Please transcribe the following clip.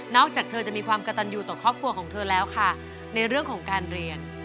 จากเธอจะมีความกระตันอยู่ต่อครอบครัวของเธอแล้วค่ะในเรื่องของการเรียน